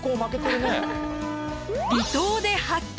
「離島で発見！